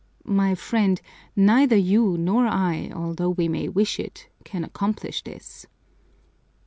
"My friend, neither you nor I, although we may wish it, can accomplish this."